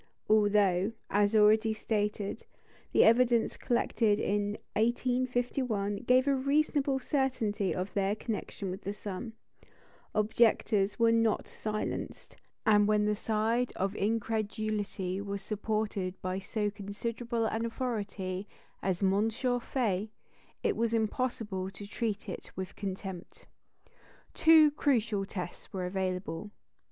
Although, as already stated, the evidence collected in 1851 gave a reasonable certainty of their connection with the sun, objectors were not silenced; and when the side of incredulity was supported by so considerable an authority as M. Faye, it was impossible to treat it with contempt. Two crucial tests were available.